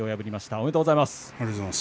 おめでとうございます。